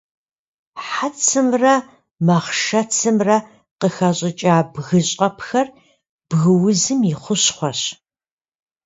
Хьэцымрэ махъшэцымрэ къыхэщӏыкӏа бгыщӏэпхэр бгыузым и хущхъуэщ.